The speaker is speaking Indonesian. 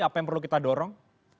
apa yang perlu kita dorong